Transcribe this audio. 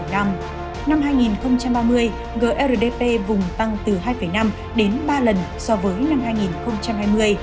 năm hai nghìn ba mươi grdp vùng tăng từ hai năm đến ba lần so với năm hai nghìn hai mươi